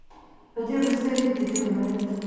په دې وروستيو كې ددې ولايت